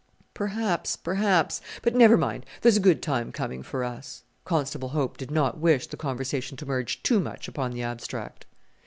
"Perhaps perhaps; but never mind, there's a good time coming for us." Constable Hope did not wish the conversation to merge too much upon the abstract.